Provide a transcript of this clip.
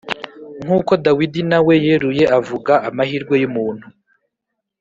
nk'uko Dawidi nawe yeruye avuga amahirwe y'umuntu,